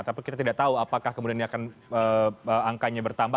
tapi kita tidak tahu apakah kemudian ini akan angkanya bertambah